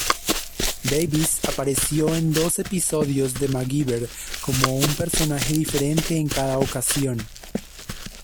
Davis apareció en dos episodios de MacGyver como un personaje diferente en cada ocasión.